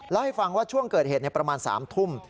แล้วให้ฟังว่าช่วงเกิดเหตุประมาณ๓ทุ่ม